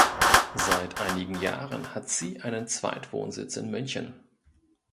Seit einigen Jahren hat sie einen Zweitwohnsitz in München.